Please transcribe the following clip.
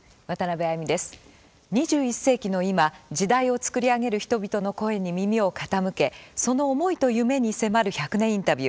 ２１世紀の今時代をつくり上げる人々の声に耳を傾けその思いと夢に迫る「１００年インタビュー」。